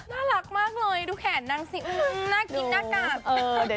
น่ารักมากเลยดูแขนนางสิน่ากินหน้ากาก